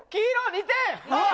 ２点！